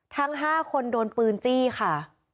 ทั้ง๕คนโดนปืนจี้ค่ะ